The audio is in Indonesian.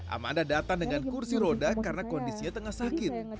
amanda datang dengan kursi roda karena kondisinya tengah sakit